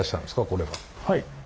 これは。